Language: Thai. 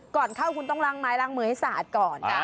ก่อนเข้าคุณต้องล่างไม้ล้างมือให้สะอาดก่อนนะ